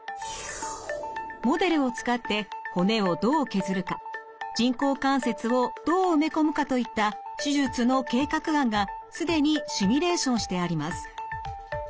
モデルを使って骨をどう削るか人工関節をどう埋め込むかといった手術の計画案が既にシミュレーションしてあります。